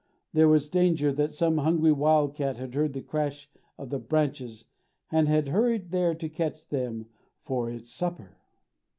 There was danger that some hungry wild cat had heard the crash of the branches and had hurried there to catch them for its supper.